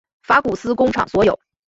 法古斯工厂所有。